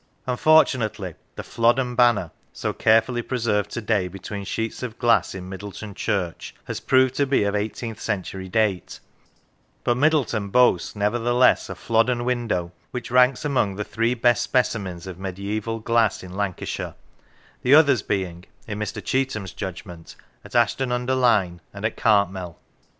Un fortunately the " Flodden Banner," so carefully pre served to day between sheets of glass in Middleton Church, has been proved to be of eighteenth century date; but Middleton boasts, nevertheless, a Flodden window, which ranks among the three best specimens of mediaeval glass in Lancashire, the others being (in Mr. Cheetham's judgment) at Ashton under Lyne and at Cartmel.